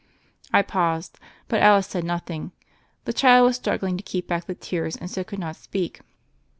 I paused. But Alice said nothing. The child was struggling to keep back the tears, and so could not speak.